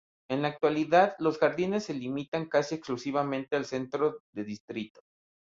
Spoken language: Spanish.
En la actualidad, los jardines se limitan casi exclusivamente al centro del distrito.